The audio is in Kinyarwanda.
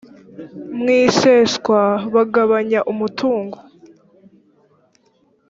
mu iseswa bagabanya umutungo